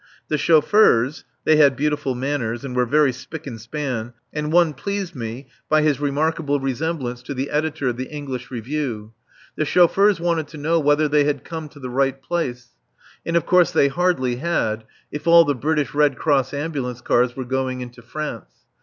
The chauffeurs (they had beautiful manners, and were very spick and span, and one pleased me by his remarkable resemblance to the editor of the English Review) the chauffeurs wanted to know whether they had come to the right place. And of course they hardly had, if all the British Red Cross ambulance cars were going into France.